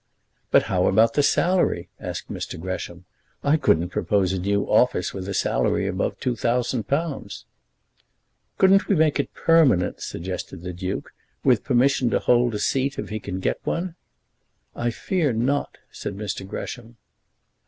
"But how about the salary?" asked Mr. Gresham. "I couldn't propose a new office with a salary above £2,000." "Couldn't we make it permanent," suggested the duke; "with permission to hold a seat if he can get one?" "I fear not," said Mr. Gresham.